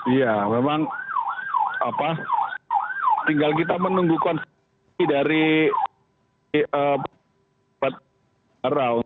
iya memang apa tinggal kita menunggu konsultasi dari petaraun